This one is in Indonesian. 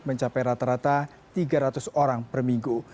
mencapai rata rata tiga ratus orang per minggu